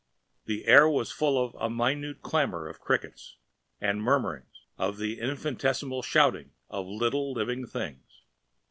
The air was full of a minute clamor of crickets and murmurings, of the infinitesimal shouting of little living things.